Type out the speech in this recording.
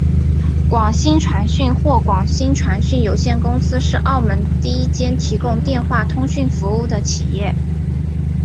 广星传讯或广星传讯有限公司是澳门第一间提供电话通讯服务的企业。